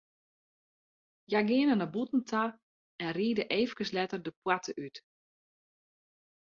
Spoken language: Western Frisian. Hja geane nei bûten ta en ride eefkes letter de poarte út.